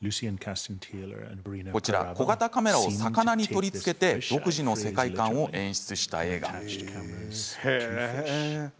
小型カメラを魚に取り付けて独自の世界観を演出した映画。